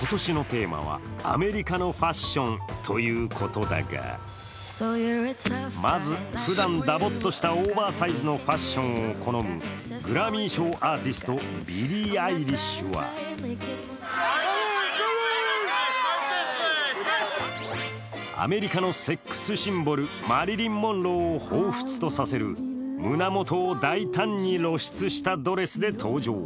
今年のテーマは、アメリカのファッションということだがまずふだんダボッとしたオーバーサイズのファッションを好むグラミー賞アーティスト、ビリー・アイリッシュはアメリカのセックスシンボル、マリリン・モンローを彷ふつとさせる胸元を大胆に露出したドレスで登場。